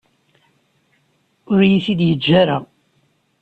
Ur iyi-t-id-yeǧǧa ara.